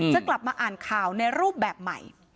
จะกลับมาอ่านข่าวในรูปแบบใหม่